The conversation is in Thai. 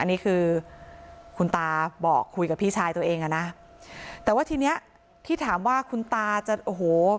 อันนี้คือคุณตาบอกคุยกับพี่ชายตัวเองอ่ะนะแต่ว่าทีเนี้ยที่ถามว่าคุณตาจะโอ้โห